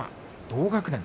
同学年？